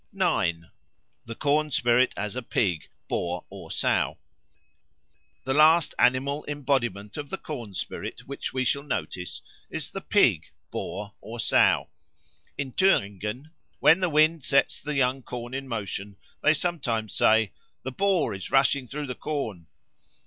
9. The Corn spirit as a Pig (Boar or Sow) THE LAST animal embodiment of the corn spirit which we shall notice is the pig (boar or sow). In Thüringen, when the wind sets the young corn in motion, they sometimes say, "The Boar is rushing through the corn."